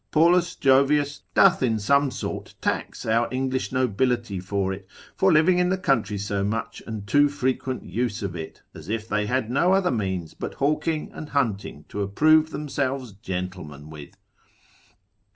Paulus Jovius, descr. Brit. doth in some sort tax our English nobility for it, for living in the country so much, and too frequent use of it, as if they had no other means but hawking and hunting to approve themselves gentlemen with.